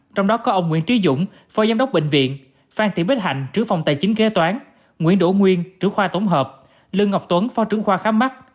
trong đó có ông nguyễn trí dũng phó giám đốc bệnh viện phan tị bích hạnh trưởng phòng tài chính kế toán nguyễn đỗ nguyên trưởng khoa tổng hợp lương ngọc tuấn phó trưởng khoa khám mắt